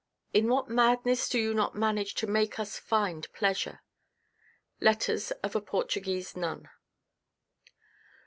In what madness do you not manage to make us find pleasure ! Letters of a Portuguese Nun.